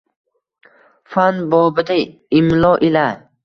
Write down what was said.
Fan bobida imlo ila